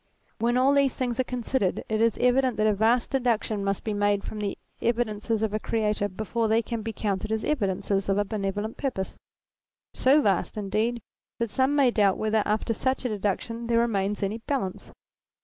When all these things are considered it is evident that a vast deduction must be made from the evidences of a Creator before they can be counted as evidences of a benevolent purpose : so vast indeed that some may doubt whether after such a deduction there remains any balance.